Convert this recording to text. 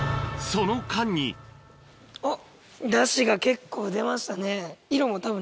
その間にあっ。